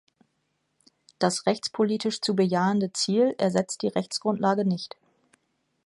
Das rechtspolitisch zu bejahende Ziel ersetzt die Rechtsgrundlage nicht.